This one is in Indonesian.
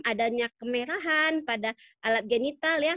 adanya kemerahan pada alat genital ya